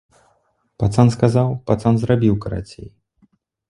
Пацан сказаў, пацан зрабіў, карацей!